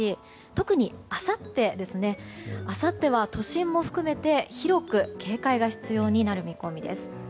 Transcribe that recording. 特にあさっては都心も含めて広く警戒が必要になる見込みです。